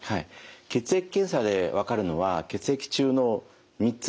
血液検査で分かるのは血液中の３つの脂質です。